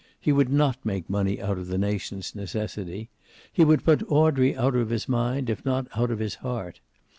He would not make money out of the nation's necessity. He would put Audrey out of his mind, if not out of his heart.